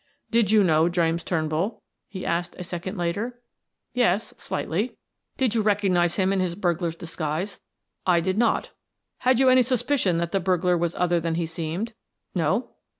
"Did you know James Turnbull?" he asked a second later. "Yes, slightly." "Did you recognize him in his burglar's disguise?" "I did not" "Had you any suspicion that the burglar was other than he seemed?" "No."